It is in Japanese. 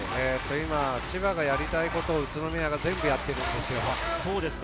今、千葉がやりたいことを宇都宮が全部やっています。